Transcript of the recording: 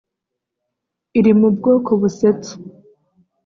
iri mu bwoko busetsa